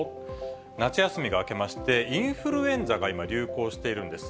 夏休みが明けまして、インフルエンザが今、流行しているんです。